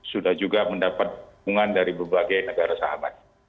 sudah juga mendapat bungan dari berbagai negara